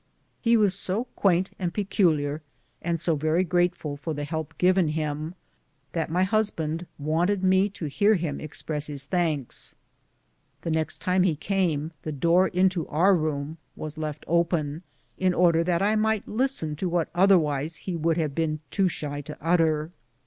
He was so quaint and peculiar, and so very grateful for the help given him, that my husband wanted me to hear him express his thanks. The next time he came, the door into our room was left open, in order that I might listen to what otherwise he would have been too shy to utter.